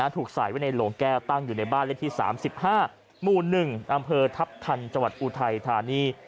ถูกสายไว้ในโหลงแก้ตั้งอยู่ในบ้านที่๓๕มูล๑ดำเภอทัพทันจอุไทยฐานี